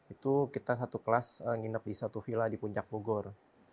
itu kita satu kelas nginep di satu villa di puncak bogor